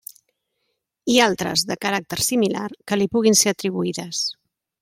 I altres, de caràcter similar, que li puguin ser atribuïdes.